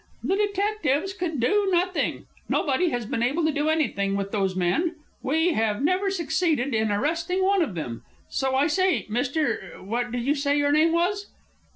The detectives could do nothing. Nobody has been able to do anything with those men. We have never succeeded in arresting one of them. So I say, Mr. What did you say your name was?"